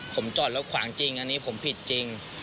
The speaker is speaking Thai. ผมจอดแล้วขวางจริงอันนี้ผมผิดจริง